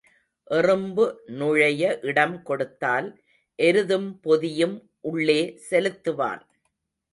எறும்பு நுழைய இடம் கொடுத்தால் எருதும் பொதியும் உள்ளே செலுத்துவான்.